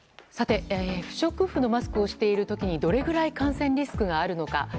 不織布のマスクをしている時にどれぐらい感染リスクがあるのか。